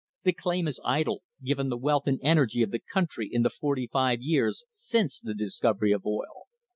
The claim is idle, given the wealth and energy of the country in the forty five years since the discovery of oil.